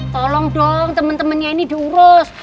tolong dong temen temennya ini diurus